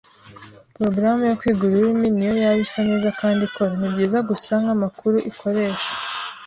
Porogaramu yo kwiga ururimi, niyo yaba isa neza kandi ikora, nibyiza gusa nkamakuru ikoresha.